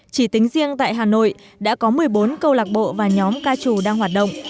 chỉ tính riêng tại hà nội đã có một mươi bốn câu lạc bộ và nhóm ca trù đang hoạt động